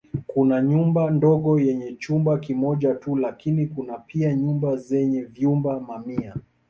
Kuna nyumba ndogo yenye chumba kimoja tu lakini kuna pia nyumba zenye vyumba mamia.